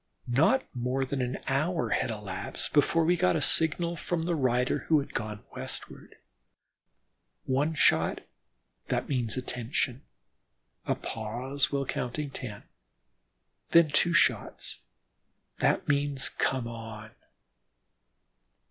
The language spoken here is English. Not more than an hour elapsed before we got a signal from the rider who had gone westward. One shot: that means "attention," a pause while counting ten, then two shots: that means "come on."